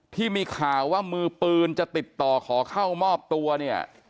ที่มีข่าวว่ามือปืนจะติดต่อขอเข้ามอบตัวเนี่ย